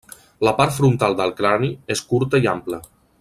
La part frontal del crani és curta i ampla.